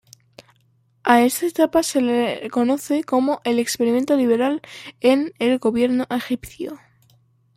A esta etapa se le conoce como "el experimento liberal en el gobierno egipcio.